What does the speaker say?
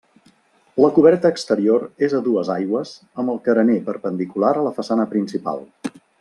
La coberta exterior és a dues aigües amb el carener perpendicular a la façana principal.